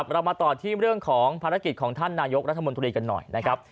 เรามาต่อที่เรื่องของภารกิจของท่านนายกรัฐมนตรีกันหน่อยนะครับ